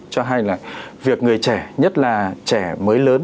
cho hay là việc người trẻ nhất là trẻ mới lớn